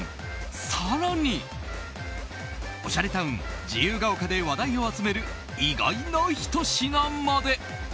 更に、おしゃれタウン自由が丘で話題を集める意外なひと品まで。